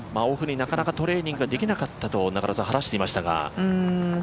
オフになかなかトレーニングができなかったと話していましたが。